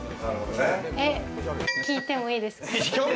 聞いてもいいですか？